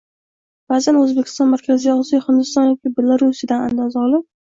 Baʼzan Oʻzbekiston, Markaziy Osiyo Hindiston yoki Belorusiyadan andoza olib